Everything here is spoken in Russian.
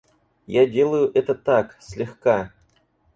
Я делаю это так, слегка.